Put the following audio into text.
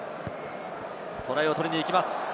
トライを取りに行きます。